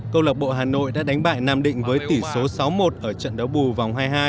câu lạc bộ hà nội đã đánh bại nam định với tỷ số sáu một ở trận đấu bù vòng hai mươi hai